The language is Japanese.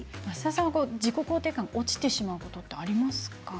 増田さんは自己肯定感が落ちてしまうことはありますか？